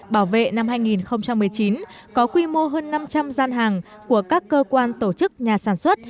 bảo vệ năm hai nghìn một mươi chín có quy mô hơn năm trăm linh gian hàng của các cơ quan tổ chức nhà sản xuất